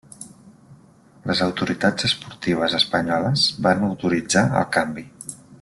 Les autoritats esportives espanyoles van autoritzar el canvi.